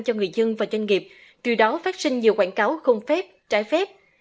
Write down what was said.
cho người dân và doanh nghiệp từ đó phát sinh nhiều quảng cáo không phép trái phép